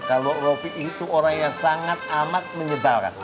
kalau roby itu orang yang sangat amat menyebalkan